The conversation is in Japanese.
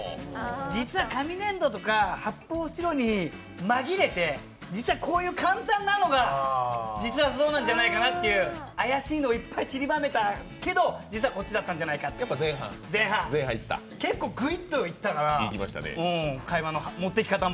実は紙粘土とか発泡スチロールに紛れて、実はこういう簡単なのがそうなんじゃないかなっていう、あやしいのをいっぱい散りばめたけど、こっちだったんじゃないかと結構ぐいっといったから、会話の持っていき方も。